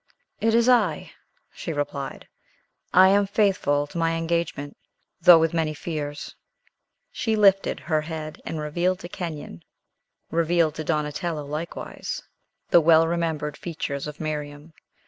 "It is I," she replied; "I am faithful to my engagement, though with many fears." She lifted her head, and revealed to Kenyon revealed to Donatello likewise the well remembered features of Miriam.